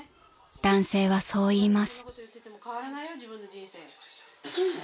［男性はそう言います］